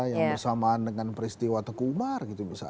yang bersamaan dengan peristiwa teguh umar